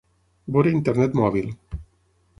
Veure internet mòbil.